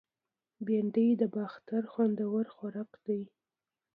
بېنډۍ د باختر خوندور خوراک دی